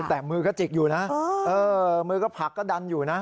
แต่มือก็จิกอยู่นะมือก็ผลักก็ดันอยู่นะ